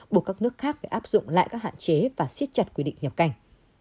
buộc các nước khác phải áp dụng lại các hạn chế và siết chặt quy định nhập cảnh